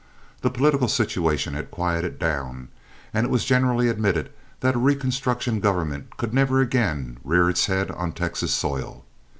The political situation had quieted down, and it was generally admitted that a Reconstruction government could never again rear its head on Texas soil.